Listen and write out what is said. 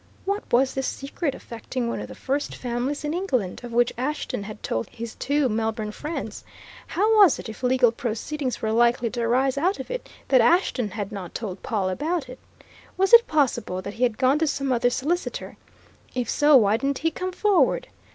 What was this secret affecting one of the first families in England, of which Ashton had told his two Melbourne friends? How was it, if legal proceedings were likely to arise out of it, that Ashton had not told Pawle about it? Was it possible that he had gone to some other solicitor? If so, why didn't he come forward?